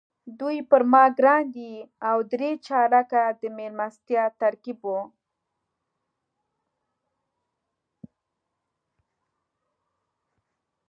دوی پر ما ګران دي او درې چارکه د میلمستیا ترکیب وو.